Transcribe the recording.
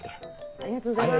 ありがとうございます。